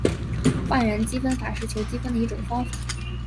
换元积分法是求积分的一种方法。